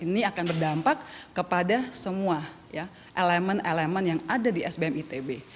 dan berdampak kepada semua elemen elemen yang ada di sbm itb